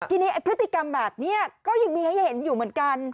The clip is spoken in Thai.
ทีนี้ไอ้พฤติกรรมแบบนี้ก็ยังมีให้เห็นอยู่เหมือนกัน